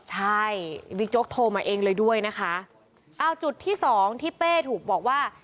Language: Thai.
ใช่บิ๊กโจ๊กโทรมาเองเลยด้วยนะคะเอาจุดที่สองที่เป้ถูกบอกว่า